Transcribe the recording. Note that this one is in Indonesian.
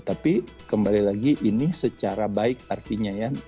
tapi kembali lagi ini secara baik artinya ya